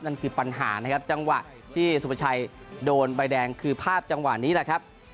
นั่นคือปัญหานะครับจังหวะที่สุภาชัยโดนใบแดงคือภาพจังหวะนี้แหละครับ